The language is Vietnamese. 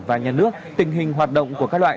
và nhà nước tình hình hoạt động của các loại